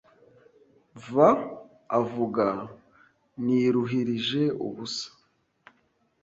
va avuga Niruhirije ubusa